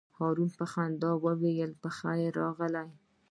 هارون په خندا کې وویل: په خیر راغلې.